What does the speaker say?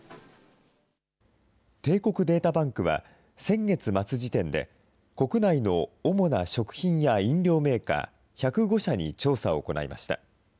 帝国データバンクは、先月末時点で、国内の主な食品や飲料メーカー、１０５社に調査を行いました。